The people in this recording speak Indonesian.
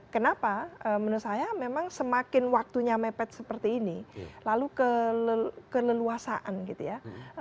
kenapa menurut saya memang semakin waktunya mepet seperti ini lalu keleluasaan gitu ya